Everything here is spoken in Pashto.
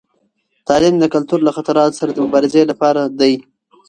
تعلیم د کلتور له خطراتو سره د مبارزې لپاره دی.